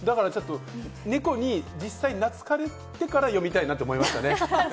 だからネコに実際に懐かれてから読みたいなと思いましたね。